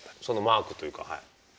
そのマークというかはい。